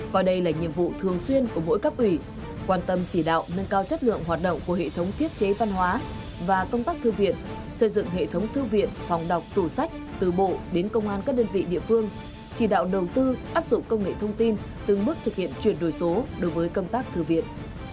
coi đây là nhiệm vụ thường xuyên của mỗi cấp ủy quan tâm chỉ đạo nâng cao chất lượng hoạt động của hệ thống thiết chế văn hóa và công tác thư viện xây dựng hệ thống thư viện phòng đọc tủ sách từ bộ đến công an các đơn vị địa phương chỉ đạo đầu tư áp dụng công nghệ thông tin từng mức thực hiện chuyển đổi số đối với công tác thư viện